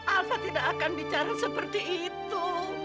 alfa tidak akan bicara seperti itu